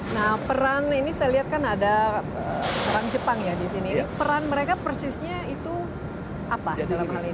nah peran ini saya lihat kan ada peran jepang ya di sini ini peran mereka persisnya itu apa dalam hal ini